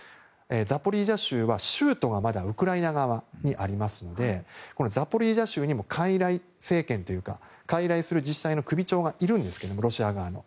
ザポリージャ州は州都がまだウクライナ側にありますのでザポリージャ州にも傀儡政権というか傀儡する自治体の首長がいるんですけれどもロシア側の。